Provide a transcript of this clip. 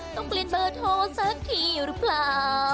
ต้องเปลี่ยนเบอร์โทรสักทีหรือเปล่า